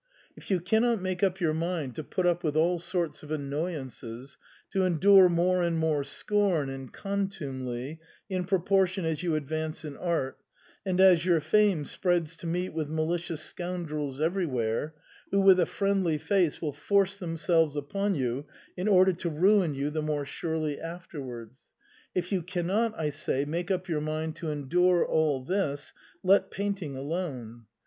If you cannot make up your mind to put up with all sorts of annoyances, to endure more and more scorn and contumely in proportion as you advance in art, and as your fame spreads to meet with malicious scoundrels everjrwhere, who with a friendly face will force themselves upon you in order to ruin you the more surely afterwards, — if you cannot, I say, make up your mind to endure all this — let painting alone.